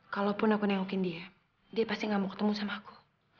kalaupun aku nengokin dia dia pasti gak mau ketemu sama aku